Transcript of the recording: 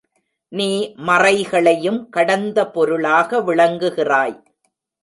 நீ மறைகளையும் கடந்த பொருளாக விளங்குகிறாய்.